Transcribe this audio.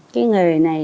cái nghề này